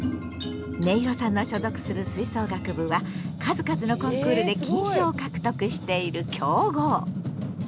ねいろさんの所属する吹奏楽部は数々のコンクールで金賞を獲得している強豪！